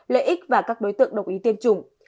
lợi ích và các đối tượng đồng ý tiêm chủng